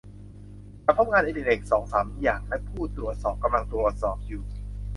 ฉันพบงานอดิเรกสองสามอย่างและผู้ตรวจสอบกำลังตรวจสอบอยู่